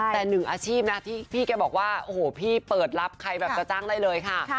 แต่หนึ่งอาชีพนะที่พี่แกบอกว่าโอ้โหพี่เปิดรับใครแบบจะจ้างได้เลยค่ะ